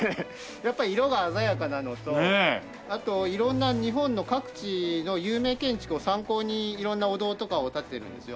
やっぱり色が鮮やかなのとあと色んな日本の各地の有名建築を参考に色んなお堂とかを建ててるんですよ。